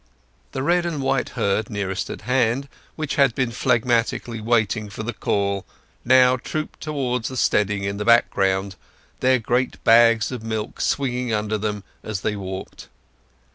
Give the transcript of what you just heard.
The red and white herd nearest at hand, which had been phlegmatically waiting for the call, now trooped towards the steading in the background, their great bags of milk swinging under them as they walked.